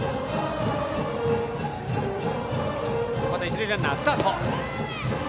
一塁ランナースタート。